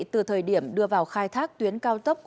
từ thời điểm đưa vào khai thác tuyến cao tốc